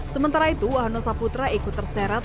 sementara itu wahana saputra ikut terserat